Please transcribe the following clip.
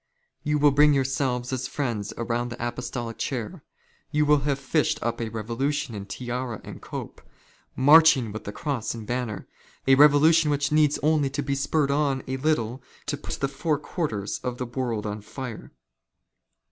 You will bring your " selves as friends around the Apostolic Chair. You will have "fished up a Revolution in Tiara and Cope, marching with Cross "and banner — a Revolution which it will need but to be "spurred on a little to put the four quarters of the world " on fire.